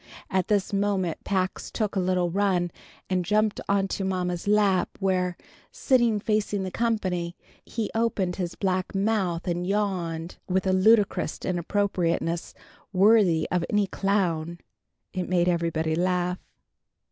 At this moment Pax took a little run, and jumped on to mamma's lap, where, sitting facing the company, he opened his black mouth and yawned, with a ludicrous inappropriateness worthy of any clown. It made everybody laugh.